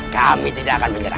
kami tidak akan menyerah